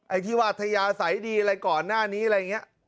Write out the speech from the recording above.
ไอ้ที่ว่าธยาศัยดีอะไรก่อนหน้านี้อะไรอย่างนี้